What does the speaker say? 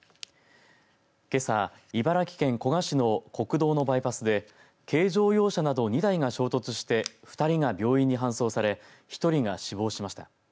けさ、茨城県古河市の国道のバイパスで軽乗用車など２台が衝突して２人が病院に搬送され１人が死亡しました。